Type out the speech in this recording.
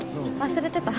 忘れてた？